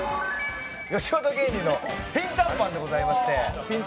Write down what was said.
吉本のピンタンパンでございまして。